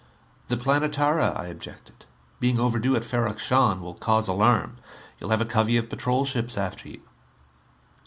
"The Planetara," I objected, "being overdue at Ferrok Shahn, will cause alarm. You'll have a covey of patrol ships after you."